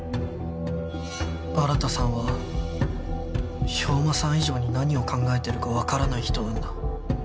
新さんは兵馬さん以上に何を考えてるか分からない人なんだ。